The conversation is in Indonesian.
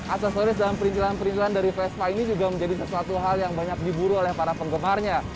aksesoris dan perintilan perintilan dari vespa ini juga menjadi sesuatu hal yang banyak diburu oleh para penggemarnya